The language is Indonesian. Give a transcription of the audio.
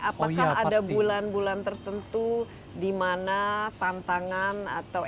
apakah ada bulan bulan tertentu di mana tantangan atau